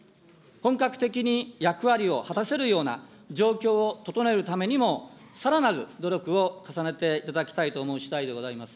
本格的に役割を果たせるような状況を整えるためにも、さらなる努力を重ねていただきたいと思うしだいでございます。